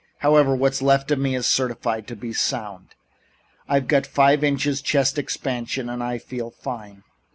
However, what's left of me is certified to be sound. I've got five inches chest expansion and I feel fine."